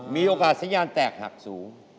มีโอกาสสัญญาณแตกหักสูง